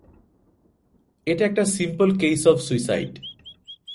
এটা একটা simple case of suicide.